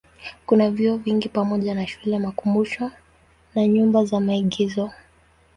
Kuna vyuo vingi pamoja na shule, makumbusho na nyumba za maigizo.